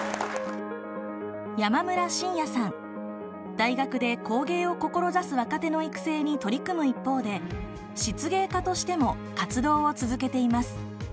大学で工芸を志す若手の育成に取り組む一方で漆芸家としても活動を続けています。